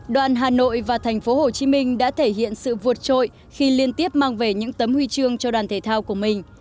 đoàn hà nội và tp hcm đã thể hiện sự vượt trội khi liên tiếp mang về những tấm huy chương cho đoàn thể thao của mình